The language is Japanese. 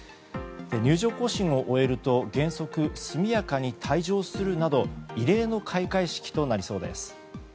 入場行進を終えると原則速やかに退場するなど異例の開会式となりそうです。